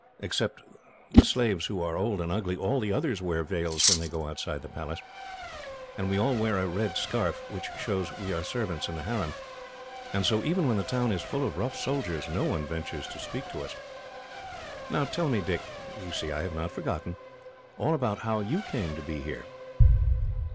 Except the slaves who are old and ugly, all the others wear veils when they go outside the Palace, and we all wear a red scarf, which shows we are servants in the harem; and so, even when the town is full of rough soldiers, no one ventures to speak to us. "Now tell me, Dick you see I have not forgotten all about how you came to be here."